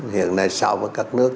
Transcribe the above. hiện nay so với các nước